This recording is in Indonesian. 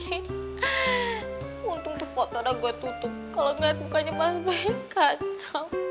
heeh untung tuh foto ada gue tutup kalau enggak mukanya mas bes kacau